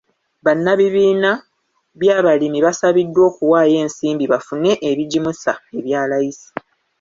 Bannabibiina by'abalimi basabiddwa okuwayo ensimbi bafune ebigimusa ebya layisi.